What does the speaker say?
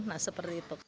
nah seperti itu